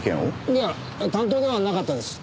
いや担当ではなかったです。